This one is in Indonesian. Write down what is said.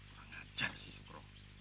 orang ajar sih soekro